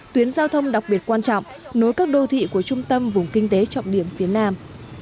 tuyến giao thông đặc biệt quan trọng nối các đô thị của trung tâm vùng kinh tế trọng điểm phía nam